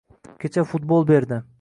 Kecha futbol berdi